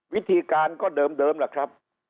วิธีการก็เดิมล่ะครับ